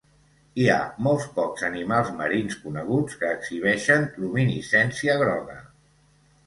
Hi ha molt pocs animals marins coneguts que exhibeixen luminescència groga.